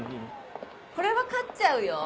これは勝っちゃうよ。